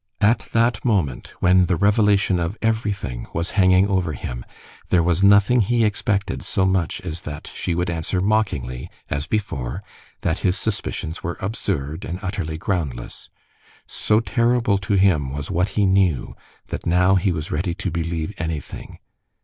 At that moment, when the revelation of everything was hanging over him, there was nothing he expected so much as that she would answer mockingly as before that his suspicions were absurd and utterly groundless. So terrible to him was what he knew that now he was ready to believe anything.